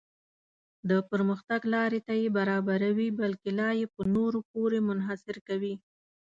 د پرمختګ لارې ته یې برابروي بلکې لا یې په نورو پورې منحصر کوي.